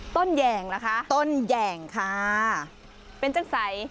ต้นแหย่งเหรอคะเป็นจังไส่